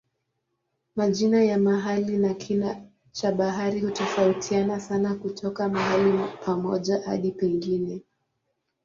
Majina ya mahali na kina cha habari hutofautiana sana kutoka mahali pamoja hadi pengine.